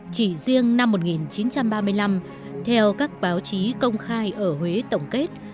chỉ riêng năm một nghìn chín trăm ba mươi năm theo các báo chí công khai ở huế tổng kết